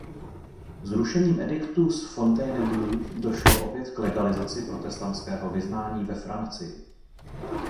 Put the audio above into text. Zrušením ediktu z Fontainebleau došlo opět k legalizaci protestantského vyznání ve Francii.